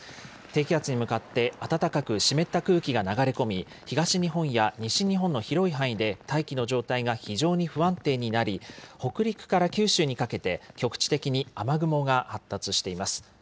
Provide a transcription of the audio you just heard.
低気圧に向かって暖かく湿った空気が流れ込み、東日本や西日本の広い範囲で大気の状態が非常に不安定になり、北陸から九州にかけて、局地的に雨雲が発達しています。